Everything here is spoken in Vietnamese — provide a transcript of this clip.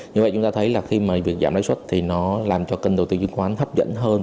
như vậy chúng ta thấy là khi mà việc giảm lại xuất thì nó làm cho kênh đầu tiên doanh nghiệp hấp dẫn hơn